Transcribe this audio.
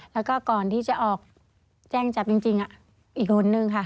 และก่อนถึงออกแจ้งจับจริงอีกคนนึง